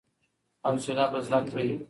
حوصله به زده کړې !